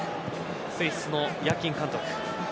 スイスのヤキン監督